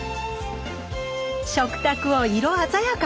食卓を色鮮やかに！